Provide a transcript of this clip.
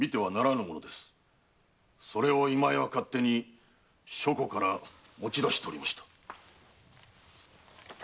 それを今井は勝手に書庫から持ち出しておりました。